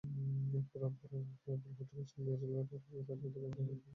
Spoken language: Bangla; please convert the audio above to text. এরপর রামপুরার আবুল হোটেলের সামনে এলে ট্রাফিক সার্জেন্টের কাছে অভিযোগ করেন তিনি।